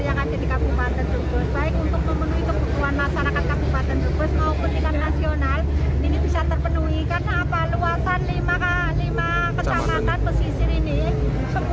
ini bisa terpenuhi karena luasan lima kecamatan pesisir ini